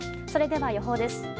それでは予報です。